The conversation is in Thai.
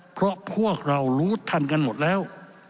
เพราะพวกเรารู้ทันกันหมดแล้ว